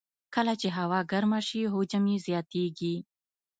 کله چې هوا ګرمه شي، حجم یې زیاتېږي.